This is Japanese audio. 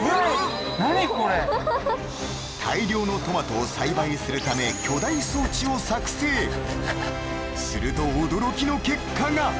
大量のトマトを栽培するため巨大装置を作成すると驚きの結果が！